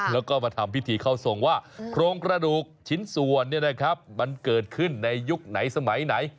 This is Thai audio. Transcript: แล้วก็มาทำพิธีเข้าทรงว่าโครงกระดูกชิ้นส่วนมันเกิดขึ้นในยุคไหนสมัยไหน